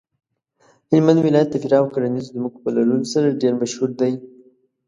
هلمند ولایت د پراخو کرنیزو ځمکو په لرلو سره ډیر مشهور دی.